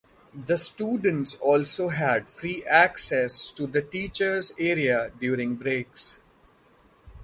The students also had free access to the teachers' area during breaks.